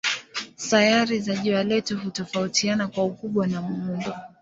Sayari za jua letu hutofautiana kwa ukubwa na muundo.